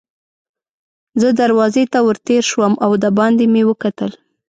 زه دروازې ته ور تېر شوم او دباندې مې وکتل.